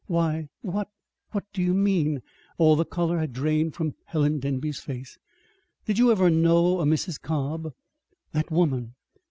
"Why, what what do you mean?" All the color had drained from Helen Denby's face. "Did you ever know a Mrs. Cobb?" "That woman!